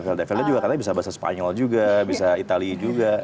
velda juga katanya bisa bahasa spanyol juga bisa itali juga